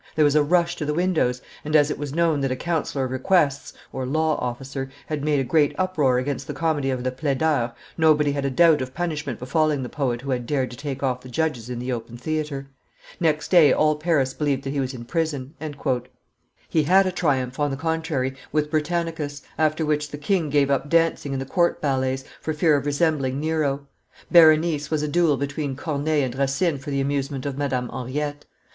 There was a rush to the windows, and, as it was known that a councillor of requests (law officer) had made a great uproar against the comedy of the Plaideurs, nobody had a doubt of punishment befalling the poet who had dared to take off the judges in the open theatre. Next day all Paris believed that he was in prison." He had a triumph, on the contrary, with Britannicus, after which the, king gave up dancing in the court ballets, for fear of resembling Nero. Berenice was a duel between Corneille and Racine for the amusement of Madame Henriette.